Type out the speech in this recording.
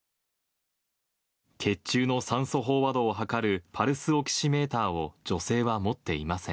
血中の酸素飽和度を測るパルスオキシメーターを、女性は持っていません。